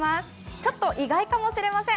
ちょっと意外かもしれません。